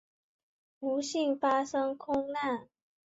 不幸发生空难。